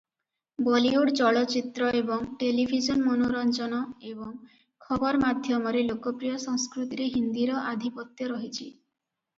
ବଲିଉଡ ଚଳଚ୍ଚିତ୍ର ଏବଂ ଟେଲିଭିଜନ ମନୋରଞ୍ଜନ ଏବଂ ଖବର ମାଧ୍ୟମରେ ଲୋକପ୍ରିୟ ସଂସ୍କୃତିରେ ହିନ୍ଦୀର ଆଧିପତ୍ୟ ରହିଛି ।